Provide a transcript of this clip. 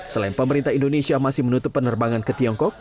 selain pemerintah indonesia masih menutup penerbangan ke tiongkok